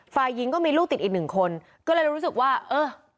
ฝ่ายหญิงก็มีลูกติดอีกหนึ่งคนก็เลยรู้สึกว่าเออ